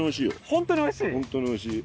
本当においしい。